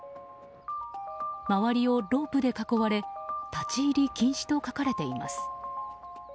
周りをロープで囲われ立ち入り禁止と書かれています。